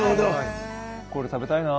これ食べたいな。